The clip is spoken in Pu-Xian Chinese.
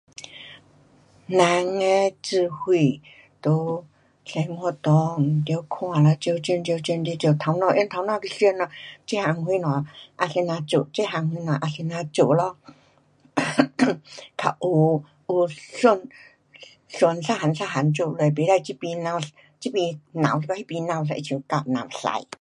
人的智慧在生活内，得看咯，各种各种，你得头脑用头脑想去咯，这样什么啊怎样做。这样什么啊怎样做咯，。 较有，有顺，顺一样一样做下，不可这边抓，这边抓一下，那边抓一下，好像狗抓屎。